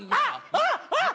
あっあっ！